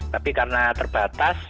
tapi karena terbatas